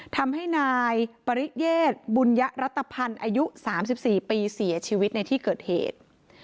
ทำให้นายปริเยศบุญยรัตภัณฑ์อายุ๓๔ปีเสียชีวิตในที่เกิดเหตุ